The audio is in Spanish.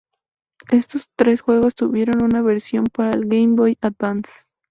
Estos tres juegos tuvieron una versión para Game Boy Advance.